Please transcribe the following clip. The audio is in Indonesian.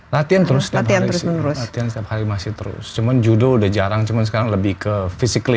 latihan terus setiap latihan setiap hari masih terus cuman judul udah jarang cuman sekarang lebih ke physically